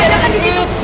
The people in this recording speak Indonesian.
ada di situ